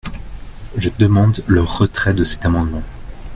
Je demande le retrait de cet amendement.